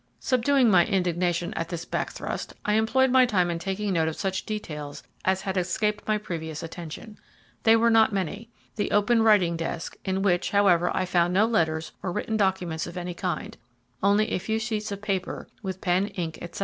Subduing my indignation at this back thrust, I employed my time in taking note of such details as had escaped my previous attention. They were not many. The open writing desk in which, however I found no letters or written documents of any kind, only a few sheets of paper, with pen, ink, etc.